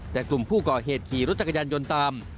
แต่กลุ่มผู้ก่อเหตุขี่รถจักรยานยนต์ตาม